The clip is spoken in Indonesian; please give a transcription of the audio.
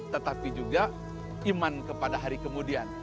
tetapi juga iman kepada hari kemudian